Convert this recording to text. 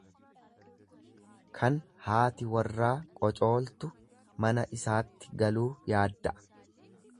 Kan haati warraa qocooltu mana isaatti galuu yaadda'a.